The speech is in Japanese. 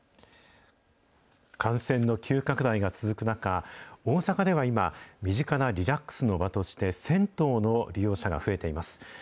感染の急拡大が続く中、大阪では今、身近なリラックスの場として、銭湯の利用者が増えています。